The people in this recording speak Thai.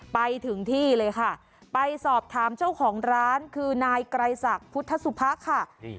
ไปถึงที่เลยค่ะไปสอบถามเจ้าของร้านคือนายไกรศักดิ์พุทธสุภะค่ะ